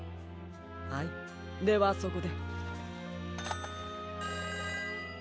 はいではそこで。